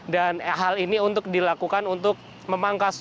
dan hal ini untuk dilakukan untuk memangkas